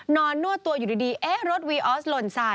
นวดตัวอยู่ดีเอ๊ะรถวีออสหล่นสาย